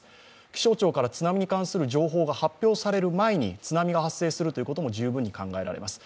気象庁から津波に関する情報が発表される前に津波が発生することも十分に考えられます。